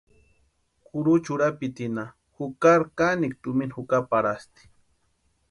Kurucha urapitinha jukari kanikwa tumina jukaparhasti.